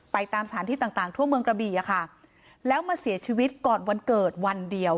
ตามสถานที่ต่างต่างทั่วเมืองกระบี่อะค่ะแล้วมาเสียชีวิตก่อนวันเกิดวันเดียว